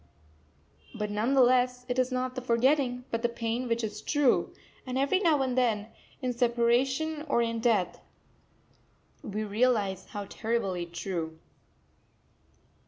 But none the less it is not the forgetting, but the pain which is true; and every now and then, in separation or in death, we realise how terribly true.